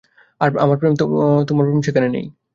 আমার প্রেম যেখানে তোমার প্রেম সেখানে নেই।